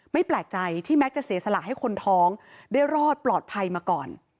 แปลกใจที่มักจะเสียสละให้คนท้องได้รอดปลอดภัยมาก่อน